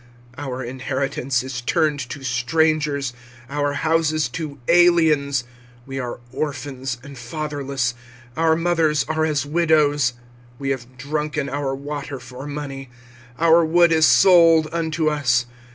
25:005:002 Our inheritance is turned to strangers, our houses to aliens. 25:005:003 We are orphans and fatherless, our mothers are as widows. 25:005:004 We have drunken our water for money; our wood is sold unto us.